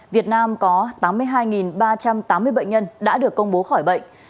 việt nam có tám mươi hai ba trăm tám mươi bệnh nhân đã được công bố khỏi bệnh